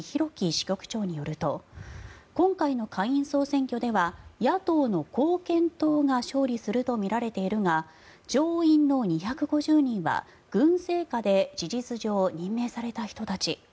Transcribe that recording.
支局長によると今回の下院総選挙では野党の貢献党が勝利するとみられているが上院の２５０人は軍政下で事実上任命された人たち